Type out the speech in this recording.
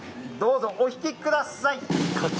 どうぞお引きください。